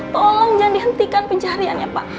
tolong jangan dihentikan pencariannya pak